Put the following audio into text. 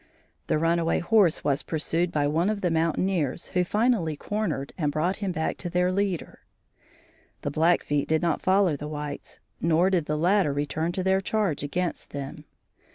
The runaway horse was pursued by one of the mountaineers who finally cornered and brought him back to their leader. The Blackfeet did not follow the whites, nor did the latter return to their charge against them.